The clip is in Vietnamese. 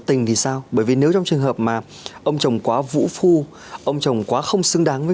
tình thì sao bởi vì nếu trong trường hợp mà ông chồng quá vũ phu ông chồng quá không xứng đáng với